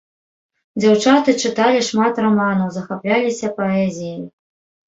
Дзяўчаты чыталі шмат раманаў, захапляліся паэзіяй.